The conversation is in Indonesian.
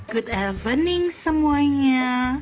good evening semuanya